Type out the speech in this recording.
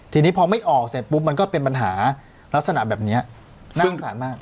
ทีนี้พอไม่ออกเสร็จปุ๊บมันก็เป็นปัญหาลักษณะแบบนี้น่าสงสารมาก